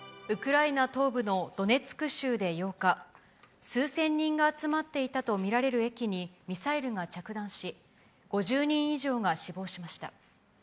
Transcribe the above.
ウクライナ東部のドネツク州で８日、数千人が集まっていたと見られる駅に、ミサイルが着弾し、５０人以上が死亡しました。